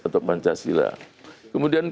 atau pancasila kemudian